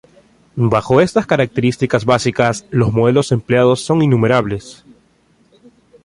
Bajo estas características básicas, los modelos empleados son innumerables.